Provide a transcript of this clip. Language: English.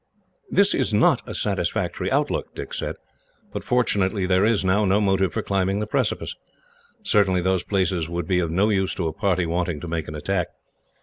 "That is not a satisfactory outlook," Dick said, "but fortunately there is, now, no motive for climbing the precipice. Certainly those places would be of no use to a party wanting to make an attack.